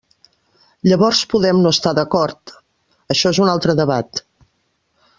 Llavors podem no estar d'acord, això és un altre debat.